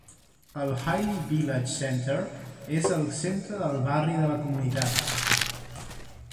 El Haile Village Center és el centre del barri de la comunitat.